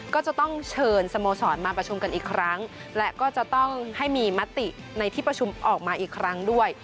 ก็จะต้องเชิญสโมสรมาประชุมกันอีกครั้งและก็จะต้องให้มีมติในที่ประชุมออกมาอีกครั้งด้วย